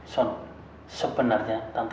tante putri ina